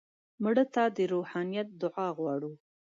مړه ته د روحانیت دعا غواړو